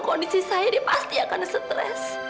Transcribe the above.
kondisi saya dia pasti akan stres